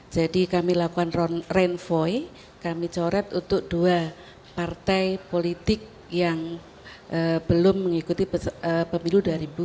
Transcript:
jadi kami lakukan renvoy kami coret untuk dua partai politik yang belum mengikuti pemilu dua ribu empat belas